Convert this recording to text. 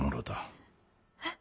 えっ。